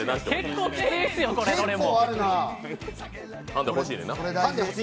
結構きついですよ、これどれも。